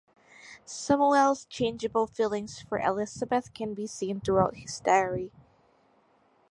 Samuel's changeable feelings for Elisabeth can be seen throughout his diary.